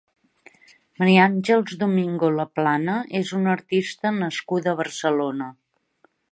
Maria Àngels Domingo Laplana és una artista nascuda a Barcelona.